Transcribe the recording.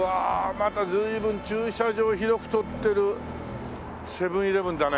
また随分駐車場広く取ってるセブンイレブンだね。